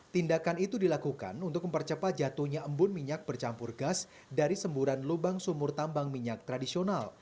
tindakan itu dilakukan untuk mempercepat jatuhnya embun minyak bercampur gas dari semburan lubang sumur tambang minyak tradisional